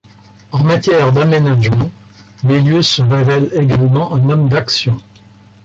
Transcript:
En matière d'aménagement, Milius se révèle également un homme d'action.